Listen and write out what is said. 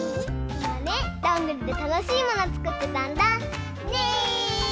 いまねどんぐりでたのしいものつくってたんだ。ね！